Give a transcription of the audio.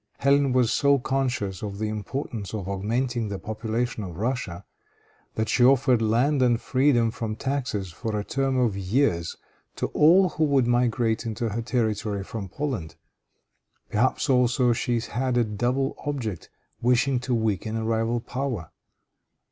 Hélène was so conscious of the importance of augmenting the population of Russia, that she offered land and freedom from taxes for a term of years to all who would migrate into her territory from Poland. Perhaps also she had a double object, wishing to weaken a rival power.